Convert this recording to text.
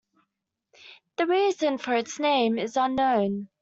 The reason for its name is unknown.